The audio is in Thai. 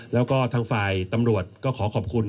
แล้วก็ทางฝ่ายตำรวจก็ขอขอบคุณ